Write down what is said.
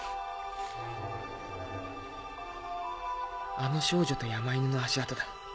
あの少女と山犬の足跡だ。